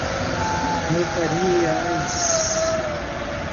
notariais